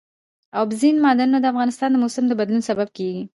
اوبزین معدنونه د افغانستان د موسم د بدلون سبب کېږي.